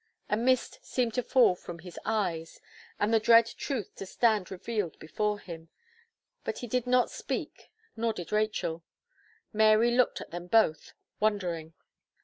A mist seemed to fall from his eyes, and the dread truth to stand revealed before him; but he did not speak, nor did Rachel; Mary looked at them both, wondering.